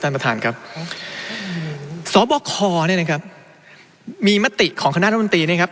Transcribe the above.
ท่านประธานครับสบคเนี่ยนะครับมีมติของคณะรัฐมนตรีเนี่ยครับ